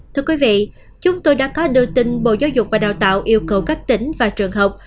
thưa quý vị chúng tôi đã có đưa tin bộ giáo dục và đào tạo yêu cầu các tỉnh và trường học